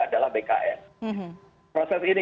adalah bkn proses ini